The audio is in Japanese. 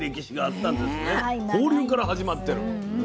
放流から始まってる。